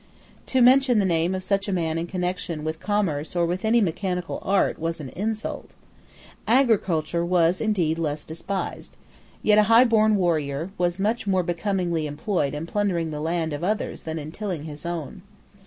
To mention the name of such a man in connection with commerce or with any mechanical art was an insult. Agriculture was indeed less despised. Yet a highborn warrior was much more becomingly employed in plundering the land of others than in tilling his own.